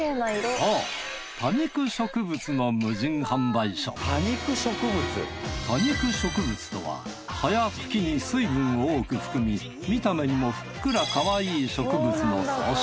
そう多肉植物とは葉や茎に水分を多く含み見た目にもふっくらかわいい植物の総称。